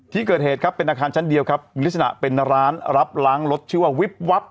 ที่เกิดเหตุครับเป็นอาคารชั้นเดียวครับมีลักษณะเป็นร้านรับล้างรถชื่อว่าวิบวับ